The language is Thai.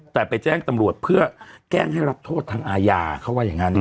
แต่ไปแจ้งตำรวจเพื่อแกล้งให้รับโทษทางอาญาเขาว่าอย่างนั้น